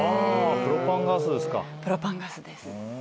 プロパンガスです。